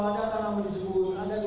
bagaimana sendiri peristiwa pidana nya ada